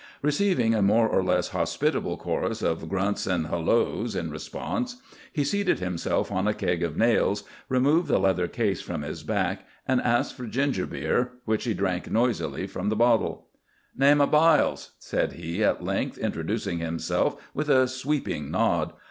Receiving a more or less hospitable chorus of grunts and "hullos" in response, he seated himself on a keg of nails, removed the leather case from his back, and asked for ginger beer, which he drank noisily from the bottle. "Name of Byles," said he at length, introducing himself with a sweeping nod.